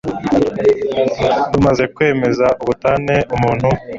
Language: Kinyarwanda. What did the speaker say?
rumaze kwemeza ubutane, umuntu